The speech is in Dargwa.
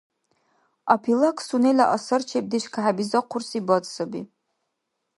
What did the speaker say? Апилак – сунела асарчебдеш кахӀебизахъурси БАД саби.